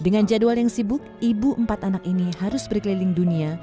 dengan jadwal yang sibuk ibu empat anak ini harus berkeliling dunia